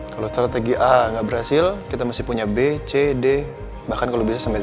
kalau strategi a nggak berhasil kita masih punya b c d bahkan kalau bisa sampai c